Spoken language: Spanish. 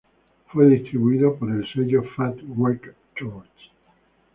Fue distribuido por el sello Fat Wreck Chords.